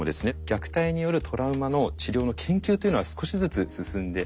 虐待によるトラウマの治療の研究というのは少しずつ進んでいます。